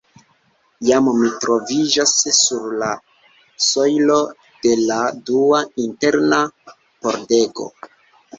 Jam mi troviĝas sur la sojlo de la dua interna pordego.